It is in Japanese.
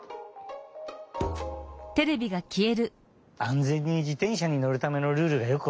安全に自転車にのるためのルールがよくわかったよ！